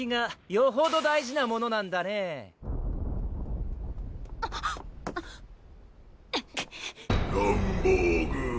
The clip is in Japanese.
よほど大事なものなんだねランボーグ！